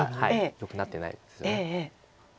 よくなってないですよね。